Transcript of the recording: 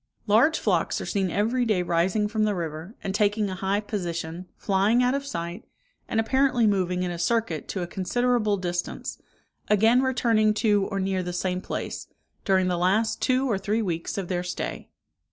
Large flocks are seen every day rising from the river, and taking a high position, flying out of sight, and apparently moving in a circuit to a considerable distance, again returning to or near the same place, during the last two or three weeks of their stay.